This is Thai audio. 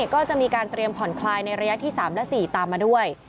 ก็จะมีการเตรียมผ่อนคลายในระยะที่๓และ๔ตามมาด้วย